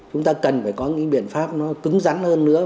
chúng ta cần phải có những biện pháp nó cứng rắn hơn nữa